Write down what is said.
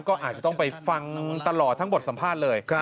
ก็อาจจะต้องไปฟังตลอดทั้งบทสัมภาษณ์เลย